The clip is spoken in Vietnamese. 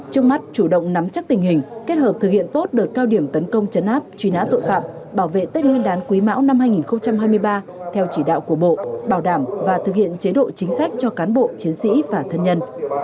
trước mắt chủ động nắm chắc tình hình kết hợp thực hiện tốt đợt cao điểm tấn công chấn áp truy nã tội phạm bảo vệ tích nguyên đán quý mão năm hai nghìn hai mươi ba theo chỉ đạo của bộ bảo đảm và thực hiện chế độ chính sách cho cán bộ chiến sĩ và thân nhân